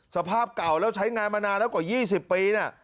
สภาพเก่าแล้วใช้งานมานานแล้วกว่า๒๐ปีนะ